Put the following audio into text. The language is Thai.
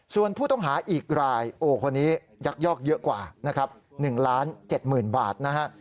ส่วนผู้ต้องหาอีกรายโอ้คนนี้ยักยอกเยอะกว่านะครับ๑๗๐๐๐บาทนะฮะ